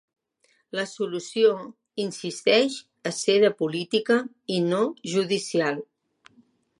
La solució, insisteix, ha de ser política i no judicial.